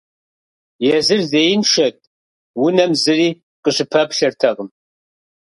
Езыр зеиншэт, унэм зыри къыщыпэплъэртэкъым.